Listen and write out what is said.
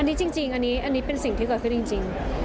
อันนี้จริงจริงอันนี้อันนี้เป็นสิ่งที่เกิดขึ้นจริงจริง